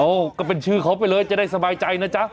ก็เป็นชื่อเขาไปเลยจะได้สบายใจนะจ๊ะ